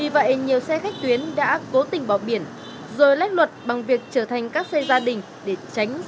và xử lý tuy nhiên